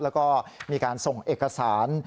แล้วก็มีการส่งเอกสาร